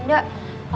ini kak dinda